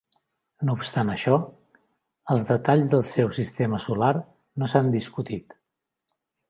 No obstant això, els detalls del seu sistema solar no s'han discutit.